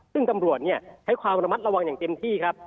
ซึ่งตำรวจใช้ความระมัดระวังอย่างเต็มที่ครับ